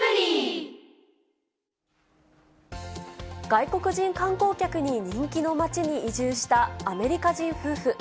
外国人観光客に人気の町に移住したアメリカ人夫婦。